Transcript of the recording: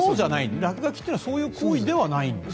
落書きというのはそういう行為ではないんですね。